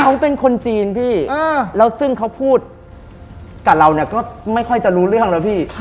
เขาเป็นคนจีนพี่แล้วซึ่งเขาพูดกับเราเนี่ยก็ไม่ค่อยจะรู้เรื่องแล้วพี่